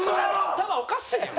頭おかしいやん！